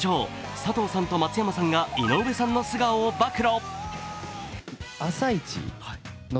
佐藤さんと松山さんが井上さんの素顔を暴露。